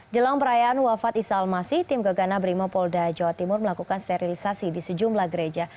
jelang perayaan wafat isal masih tim gegana brimopolda jawa timur melakukan sterilisasi di sejumlah gereja